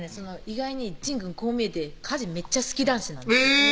意外に仁くんこう見えて家事めっちゃ好き男子なんです